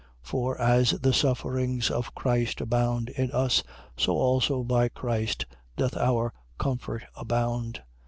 1:5. For as the sufferings of Christ abound in us: so also by Christ doth our comfort abound.